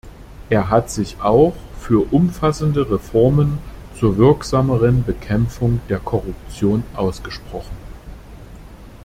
Er hat sich auch für umfassende Reformen zur wirksameren Bekämpfung der Korruption ausgesprochen.